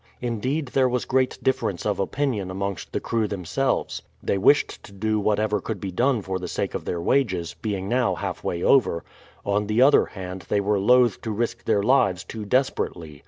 Indeed there was great difference of opinion amongst the crew themselves. They wished to do whatever could be done for the sake of their wages, being now half way over; on the other hand they were loth to risk their lives too desperately.